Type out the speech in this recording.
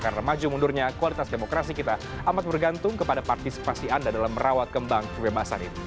karena maju mundurnya kualitas demokrasi kita amat bergantung kepada partisipasi anda dalam merawat kembang kebebasan ini